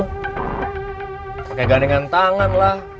pake gandengan tangan lah